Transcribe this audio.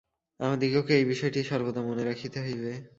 আমাদিগকে এই বিষয়টি সর্বদা মনে রাখিতে হইবে।